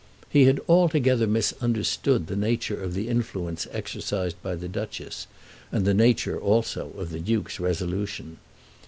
He had altogether misunderstood the nature of the influence exercised by the Duchess, and the nature also of the Duke's resolution.